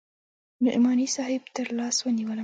نعماني صاحب تر لاس ونيولم.